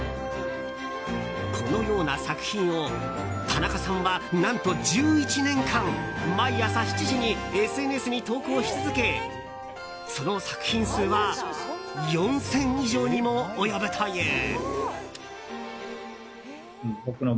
このような作品を田中さんは何と１１年間毎朝７時にＳＮＳに投稿し続けその作品数は４０００以上にも及ぶという。